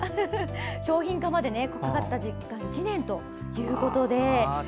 商品化までかかった時間は１年ということで。